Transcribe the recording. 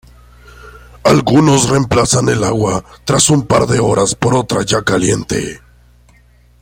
Algunos reemplazan el agua tras un par de horas por otra ya caliente.